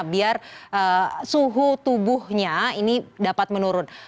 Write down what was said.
biar suhu tubuhnya ini dapat menurun